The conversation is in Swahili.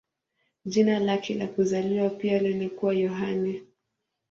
Jina lake la kuzaliwa pia lilikuwa Yohane.